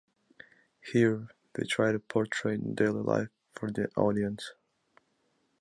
Here, they try to portray daily life for the audience.